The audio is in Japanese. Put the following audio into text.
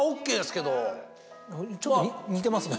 ちょっと似てますね。